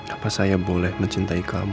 apa saya boleh mencintai kamu